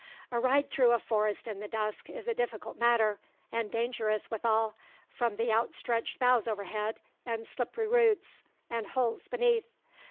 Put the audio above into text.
A ride through a forest in the dusk is a difficult matter, and dangerous withal, from the outstretched boughs overhead, and slippery roots, and holes beneath.